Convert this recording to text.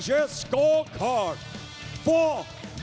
เพื่อเจ้าตัดตัด